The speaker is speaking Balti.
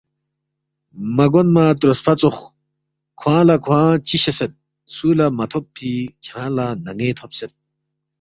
مہ گونما تروسفا ژوخ، کھوانگ لہ کھوانگ چِہ شیسید، سُو لہ مہ تھوبفی کھیانگ لہ نَن٘ے تھوبسید